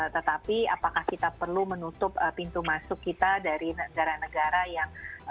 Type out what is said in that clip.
tetapi apakah kita perlu menutup pintu masuk kita dari negara negara yang